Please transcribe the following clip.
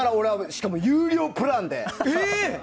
しかも、有料プランで。